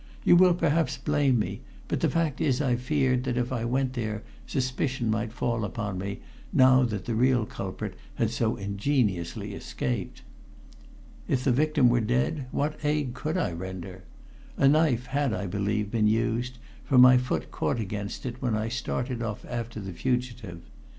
You will perhaps blame me, but the fact is I feared that if I went there suspicion might fall upon me, now that the real culprit had so ingeniously escaped. If the victim were dead, what aid could I render? A knife had, I believed, been used, for my foot caught against it when I had started off after the fugitive.